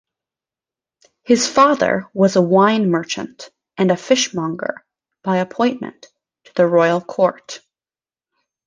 His father was a wine-merchant and a fishmonger by appointment to the Royal Court.